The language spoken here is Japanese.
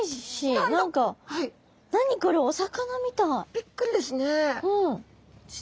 びっくりですね。